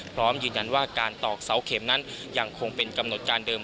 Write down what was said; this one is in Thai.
พร้อมยืนยันว่าการตอกเสาเข็มนั้นยังคงเป็นกำหนดการเดิม